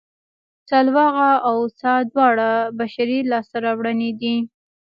سلواغه او څا دواړه بشري لاسته راوړنې دي